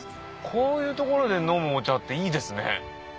こういう所で飲むお茶っていいですね。